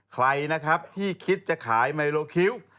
ใครนะครับที่คิดจะขายไมโลคิ้ว